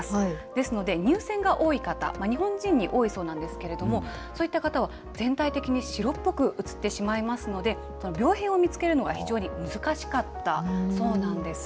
ですので、乳腺が多い方、日本人に多いそうなんですけれども、そういった方は全体的に白っぽく写ってしまいますので、病変を見つけるのが非常に難しかったそうなんです。